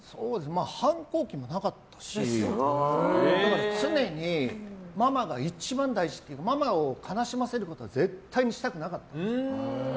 反抗期もなかったし常にママが一番大事というかママを悲しませることは絶対にしたくなかった。